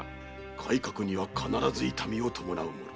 改革には必ず痛みを伴うもの。